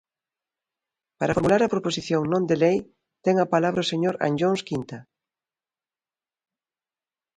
Para formular a proposición non de lei ten a palabra o señor Anllóns Quinta.